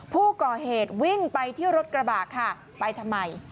ผู้ก่อเหตุวิ่งไปที่รถกระบะค่ะไปทำไม